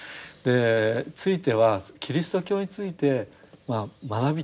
ついてはキリスト教について学びたいと。